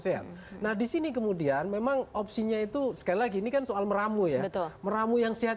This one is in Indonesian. sehat nah disini kemudian memang opsinya itu sekali lagi ini kan soal meramu ya betul meramu yang sehat